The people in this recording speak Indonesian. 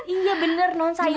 iya bener non sayur